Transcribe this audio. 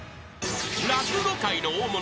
［落語界の大物